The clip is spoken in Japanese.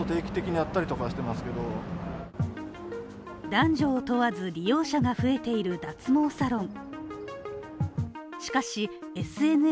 男女を問わず利用者が増えている脱毛サロン